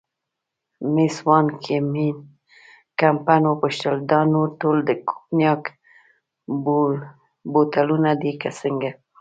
مېس وان کمپن وپوښتل: دا نور ټول د کونیګاک بوتلونه دي که څنګه؟